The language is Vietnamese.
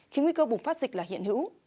khiến nguy cơ bùng phát dịch là hiện hữu